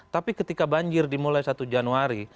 tapi ketika banjir dimulai satu januari